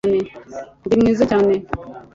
ndi mwiza cyane